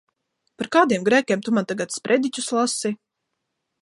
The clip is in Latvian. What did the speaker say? Par kādiem grēkiem tu man tagad sprediķus lasi?